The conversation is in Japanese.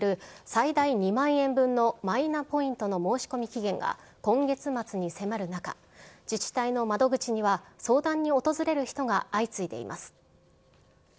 最大２万円分のマイナポイントの申し込み期限が今月末に迫る中、自治体の窓口には相談に訪れる人が相次いでいます。